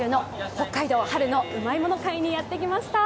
北海道うまいもの会にやってきました。